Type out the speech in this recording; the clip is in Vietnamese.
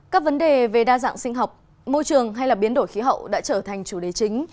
các vấn đề về đa dạng sinh học môi trường hay biến đổi khí hậu đã trở thành chủ đề chính